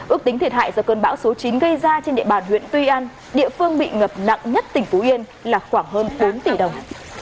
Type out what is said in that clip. ước tính thiệt hại do cơn bão số chín gây ra trên địa bàn huyện tuy an địa phương bị ngập nặng nhất tỉnh phú yên là khoảng hơn bốn tỷ đồng